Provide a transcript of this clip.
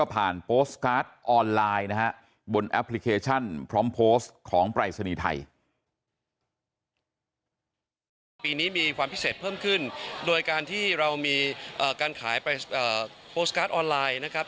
ปีนี้มีความพิเศษเพิ่มขึ้นโดยการที่เรามีการขายไปโพสต์การ์ดออนไลน์นะครับ